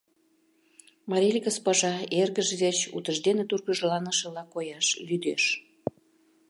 Марель госпожа эргыж верч утыждене тургыжланышыла кояш лӱдеш.